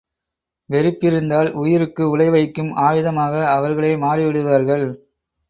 வெறுப்பிருந்தால் உயிருக்கு உலை வைக்கும் ஆயுதமாக அவர்களே மாறிவிடுவார்கள்.